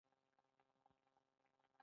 افغانستان د اوبزین معدنونه لپاره مشهور دی.